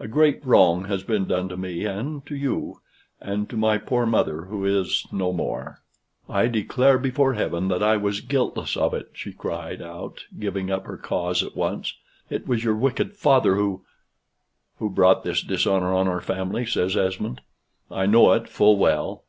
"A great wrong has been done to me and to you, and to my poor mother, who is no more." "I declare before heaven that I was guiltless of it," she cried out, giving up her cause at once. "It was your wicked father who " "Who brought this dishonor on our family," says Mr. Esmond. "I know it full well.